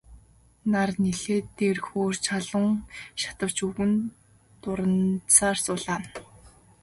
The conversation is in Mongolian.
Нар нэлээд дээр хөөрч халуун шатавч өвгөн дурандсаар суулаа.